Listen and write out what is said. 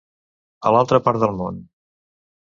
A l'altra part de món.